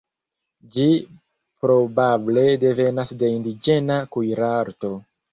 Ĝi probable devenas de indiĝena kuirarto.